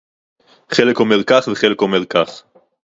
חלק אומר כך וחלק אומר כך